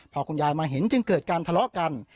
พอคุณยายมาเห็นจึงเกิดการทะเลาะกัน